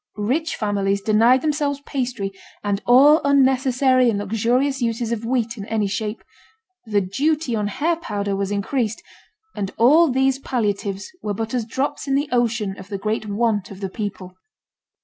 Rich families denied themselves pastry and all unnecessary and luxurious uses of wheat in any shape; the duty on hair powder was increased; and all these palliatives were but as drops in the ocean of the great want of the people.